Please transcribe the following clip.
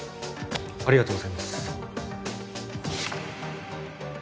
ありがとうございます。